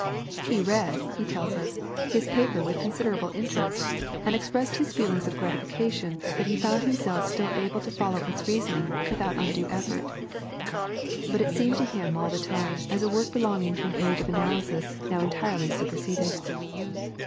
He read, he tells us, his paper with considerable interest, and expressed his feelings of gratification that he found himself still able to follow its reasoning without undue effort. But it seemed to him all the time as a work belonging to an age of analysis now entirely superseded.